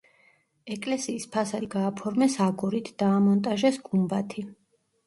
ეკლესიის ფასადი გააფორმეს აგურით, დაამონტაჟეს გუმბათი.